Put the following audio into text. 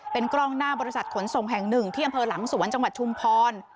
เป็นกล้องหน้าบริษัทขนส่งแห่งหนึ่งที่อำเภอหลังสวนจังหวัดชุมพร